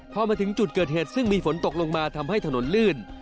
พอมาถึงจุดเกิดเหตุซึ่งมีฝนตกลงมาทำให้ถนนลื่น